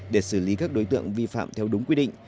để xử lý các đối tượng vi phạm theo đúng quy định